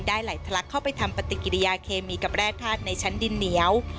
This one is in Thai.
ไหลทะลักเข้าไปทำปฏิกิริยาเคมีกับแร่ธาตุในชั้นดินเหนียว